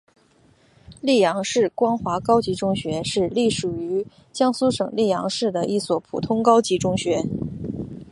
溧阳市光华高级中学是隶属于江苏省溧阳市的一所普通高级中学。